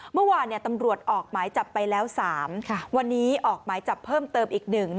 เมื่อวานตำรวจออกหมายจับไปแล้ว๓วันนี้ออกหมายจับเพิ่มเติมอีก๑